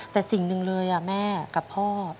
แต่สิ่งหนึ่งเลยแม่กับพ่อ